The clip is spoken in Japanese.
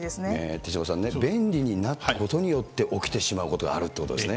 手嶋さんね、便利になったことで起きてしまうことがあるってことですね。